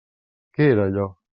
Què era allò?